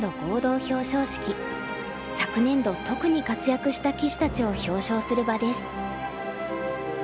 昨年度特に活躍した棋士たちを表彰する場です。